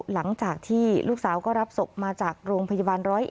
หลังจากที่ลูกสาวก็รับศพมาจากโรงพยาบาล๑๐๑